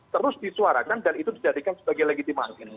terus disuarakan dan itu dijadikan sebagai legitimasi